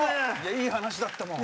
いい話だったもん。